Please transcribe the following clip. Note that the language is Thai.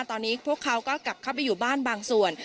ตอนนี้พวกเขาก็กลับเข้าไปอยู่บ้านบางส่วน